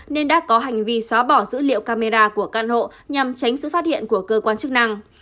nên đã có hành vi xóa bỏ dữ liệu camera của căn hộ nhằm tránh sự phát hiện của cơ quan chức năng